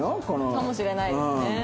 かもしれないですね。